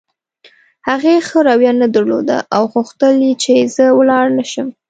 هغې ښه رویه نه درلوده او غوښتل یې چې زه ولاړ نه شم.